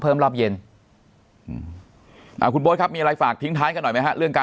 เพิ่มรอบเย็นคุณโม้ทมีอะไรฝากทิ้งท้ายด้วยค่ะเรื่องการ